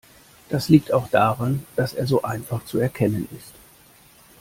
Das liegt auch daran, dass er so einfach zu erkennen ist.